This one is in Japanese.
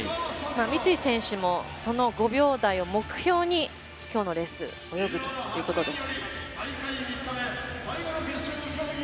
三井選手も、５秒台を目標に今日のレースを泳ぐということです。